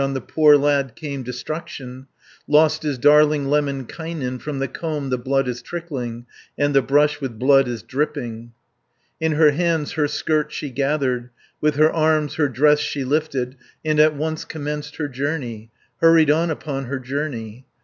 On the poor lad came destruction, Lost is darling Lemminkainen, From the comb the blood is trickling, And the brush with blood is dripping." In her hands her skirt she gathered, With her arms her dress she lifted, 50 And at once commenced her journey, Hurried on upon her journey.